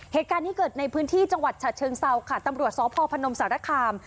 เหตุการณ์นี้เกิดในพื้นที่จังหวัดฉะเชิงเซาค่ะตำรวจสพพนมสารคาม